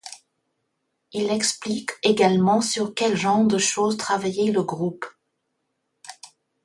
Il explique également sur quels genres de choses travaillait le groupe.